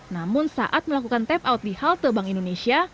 namun saat melakukan tap out di halte bank indonesia